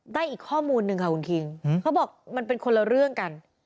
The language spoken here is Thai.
ได้อีกข้อมูลหนึ่งค่ะคุณคิงเขาบอกมันเป็นคนละเรื่องกัน